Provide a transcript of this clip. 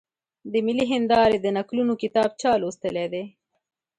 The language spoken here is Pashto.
د ملي هېندارې د نکلونو کتاب چا لوستلی دی؟